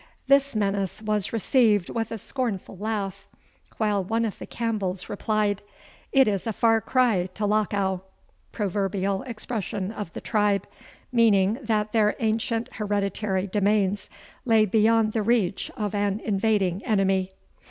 This menace was received with a scornful laugh, while one of the Campbells replied, "It is a far cry to Lochow;" proverbial expression of the tribe, meaning that their ancient hereditary domains lay beyond the reach of an invading enemy.